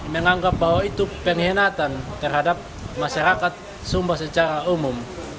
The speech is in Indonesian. menganggap bahwa itu pengkhianatan terhadap masyarakat sumba secara umum